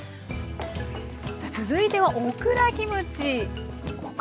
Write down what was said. さあ続いてはオクラをキムチに。